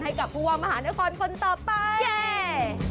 ให้กับผู้ว่ามหานครคนต่อไป